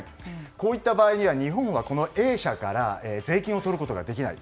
こういった場合には日本はＡ社から税金をとることができない。